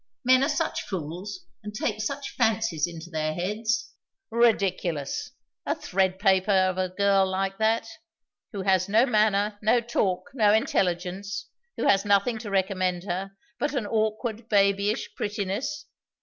Men are such fools, and take such fancies into their heads " "Ridiculous! A thread paper of a girl like that, who has no manner, no talk, no intelligence; who has nothing to recommend her but an awkward, babyish prettiness!